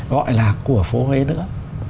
gọi là của phố huế nữa